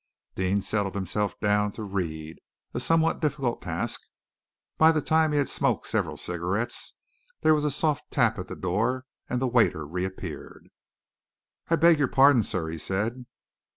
Deane settled himself down to read a somewhat difficult task. By the time he had smoked several cigarettes, there was a soft tap at the door and the waiter reappeared. "I beg your pardon, sir," he said.